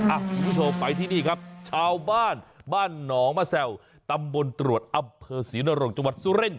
อ่ะทุกทุกคนไปที่นี่ครับชาวบ้านบ้านหนองมาแซวตำบลตรวจอับเพอศรีนรกจังหวัดสุรินทร์